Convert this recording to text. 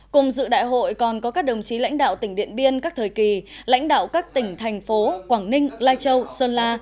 cùng dự đại hội còn có các đồng chí lãnh đạo tỉnh điện biên các thời kỳ lãnh đạo các tỉnh thành phố quảng ninh lai châu sơn la